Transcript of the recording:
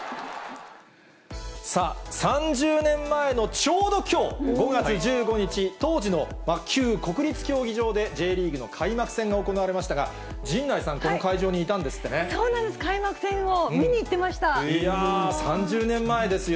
さあ、３０年前のちょうどきょう５月１５日、当時の、国立競技場でＪリーグの開幕戦が行われましたが、陣内さん、そうなんです、３０年前ですよ。